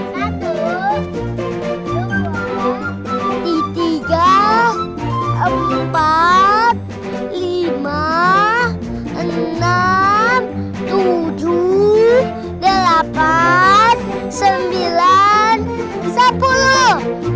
satu di tiga empat lima enam tujuh delapan sembilan sepuluh